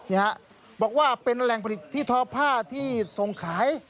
นี่ครับบอกว่าเป็นแรงผลิตที่ทอพ่าที่ส่งขาย